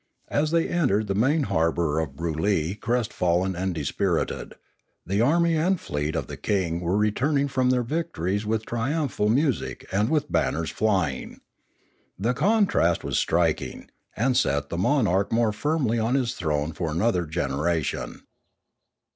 As they entered the main harbour of Broolyi crestfallen and dispirited, the army and fleet of the king were returning from their victories with triumphal music and with banners flying. The contrast was striking, and set the mon arch more firmly on his throne for another generation.